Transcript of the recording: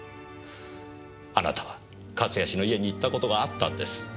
あなたは勝谷氏の家に行った事があったんです。